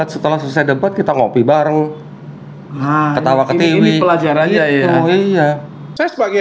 setelah saya dapat kita ngopi baru nah ketawa ke tiga ini pelajaran ya oh iya saya sebagai